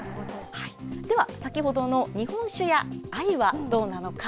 では、先ほどの日本酒やアユはどうなのか。